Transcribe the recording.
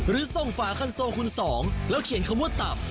หรือส่งฝาคันโซคุณสองแล้วเขียนคำว่าตับ